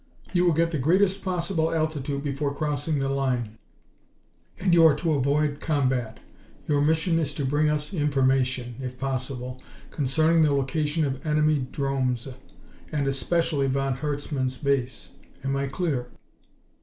"You will get the greatest possible altitude before crossing the line, and you are to avoid combat. Your mission is to bring us information, if possible, concerning the location of enemy 'dromes and especially von Herzmann's base. Am I clear?"